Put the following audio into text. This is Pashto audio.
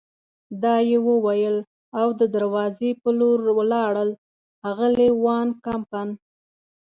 دا یې وویل او د دروازې په لور ولاړل، اغلې وان کمپن.